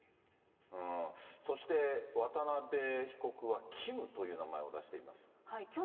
そして、渡辺被告はキムという名前を出しています。